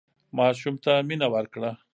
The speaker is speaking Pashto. ماشوم ته مینه ورکړه.